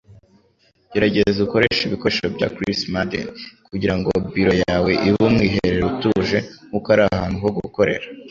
Gerageza ukoreshe ibikoresho bya Chris Madden kugirango biro yawe ibe umwiherero utuje nkuko ari ahantu ho gukorera.